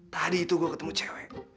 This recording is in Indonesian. tadi itu gue ketemu cewek